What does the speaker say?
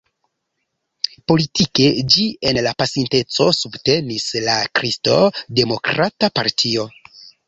Politike ĝi en la pasinteco subtenis la Kristo-Demokrata partio.